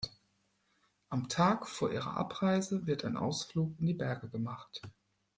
Am Tag vor ihrer Abreise wird ein Ausflug in die Berge gemacht.